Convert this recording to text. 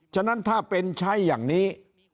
ฉะนั้นถ้าเป็นใช้อย่างนี้